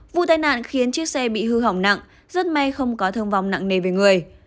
vụ tai nạn khiến chiếc xe bị hư hỏng nặng rất may không có thương vong nặng nề về người